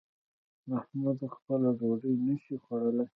محمود خپله ډوډۍ نشي خوړلی